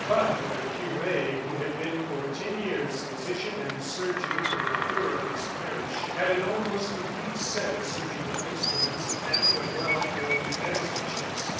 But the cure, who had been for ten years physician and surgeon for the poor of his parish, had an almost complete set of surgical instruments and a well filled medicine chest.